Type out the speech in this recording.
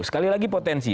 sekali lagi potensi